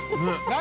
何？